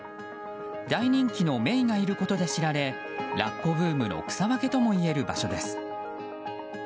大人気のメイがいることで知られラッコブームの草分けともいえる場所です。